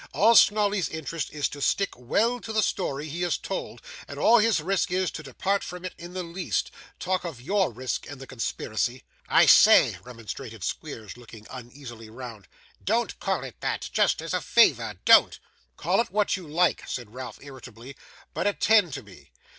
All Snawley's interest is to stick well to the story he has told; and all his risk is, to depart from it in the least. Talk of YOUR risk in the conspiracy!' 'I say,' remonstrated Squeers, looking uneasily round: 'don't call it that! Just as a favour, don't.' 'Call it what you like,' said Ralph, irritably, 'but attend to me.